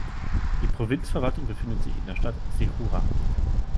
Die Provinzverwaltung befindet sich in der Stadt Sechura.